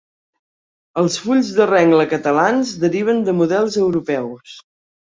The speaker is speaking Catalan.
Els fulls de rengle catalans deriven de models europeus.